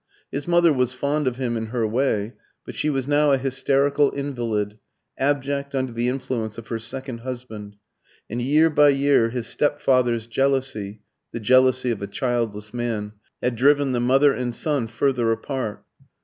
His mother was fond of him in her way; but she was now a hysterical invalid, abject under the influence of her second husband, and year by year his step father's jealousy (the jealousy of a childless man) had driven the mother and son further apart.